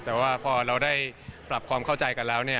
แต่ว่าพอเราได้ปรับความเข้าใจกันแล้ว